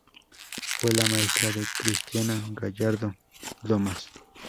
Fue la maestra de Cristina Gallardo-Domas.